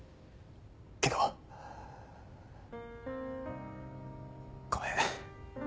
けどごめん。